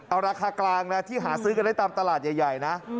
เอาราคากลางนะที่หาซื้อกันได้ตามตลาดใหญ่นะ